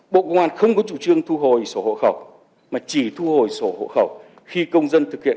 bộ công an không có chủ trương thu hồi sổ hộ khẩu mà chỉ thu hồi sổ hộ khẩu khi công dân thực hiện